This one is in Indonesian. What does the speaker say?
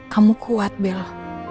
kamu kuat belle